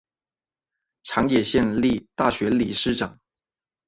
长野县立大学理事长。